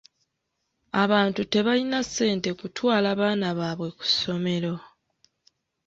Abantu tebalina ssente kutwala baana baabwe ku ssomero.